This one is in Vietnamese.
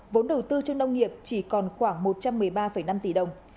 vốn đầu tư cho nông nghiệp chỉ còn khoảng một trăm một mươi ba năm tỷ đồng